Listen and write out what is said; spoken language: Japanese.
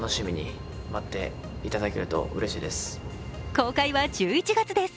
公開は１１月です。